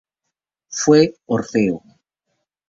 Fue Orfeo.